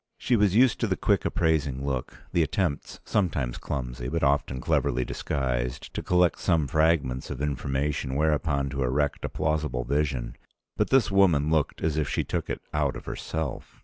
She was used to the quick appraising look, the attempts, sometimes clumsy, but often cleverly disguised, to collect some fragments of information whereupon to erect a plausible vision. But this woman looked as if she took it out of herself.